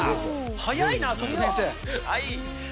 速いな、ちょっと先生。